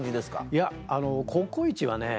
いやあのココイチはね